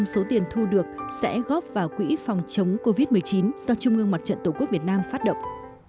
năm mươi số tiền thu được sẽ góp vào quỹ phòng chống covid một mươi chín do trung ương mặt trận tổ quốc việt nam phát động